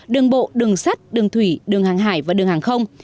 đường bộ đường sắt đường thủy đường hàng hải và đường hàng không